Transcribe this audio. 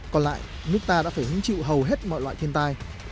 còn lại nước ta đã phải hứng chịu hầu hết mọi loại thiên tai